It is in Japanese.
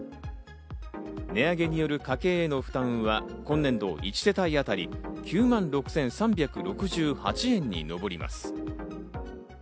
値上げによる家計への負担は今年度１世帯あたり９万６３６８円に上ります。